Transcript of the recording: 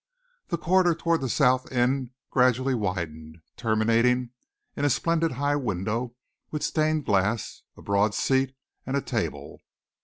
The corridor towards the south end gradually widened, terminating in a splendid high window with stained glass, a broad seat, and a table.